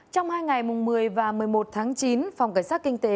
trong hai ngày một mươi và một mươi một tháng chín phòng cảnh sát kinh tế